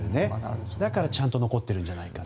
だからちゃんと残っているんじゃないかと。